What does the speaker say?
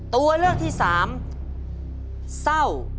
ตัวเลือกที่สามเศร้า